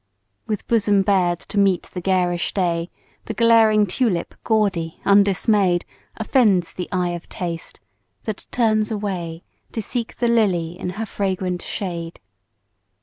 With bosom bared to meet the garish day, The glaring Tulip, gaudy, undismay'd, Offends the eye of taste; that turns away To seek the Lily in her fragrant shade.